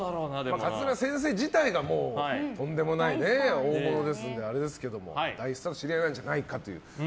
桂先生自体がとんでもない大物ですのであれですけど大スターと知り合いなんじゃないかと。